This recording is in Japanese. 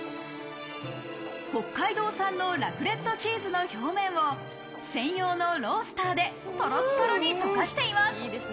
北海道産のラクレットチーズの表面を専用のロースターでトロットロに溶かしています。